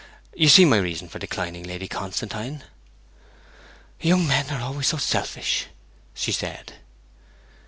You see my reason for declining, Lady Constantine.' 'Young men are always so selfish!' she said.